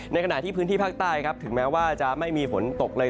ในขณะที่พื้นที่ภาคใต้ครับถึงแม้ว่าจะไม่มีฝนตกเลย